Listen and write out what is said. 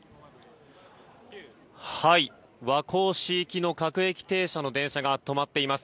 和光市行きの各駅停車の電車が止まっています。